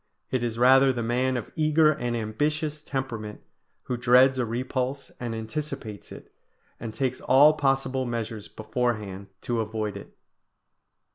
It is rather the man of eager and ambitious temperament, who dreads a repulse and anticipates it, and takes all possible measures beforehand to avoid it.